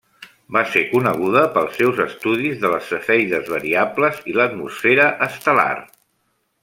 Va ser coneguda pels seus estudis de les cefeides variables i l'atmosfera estel·lar.